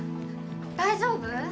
大丈夫？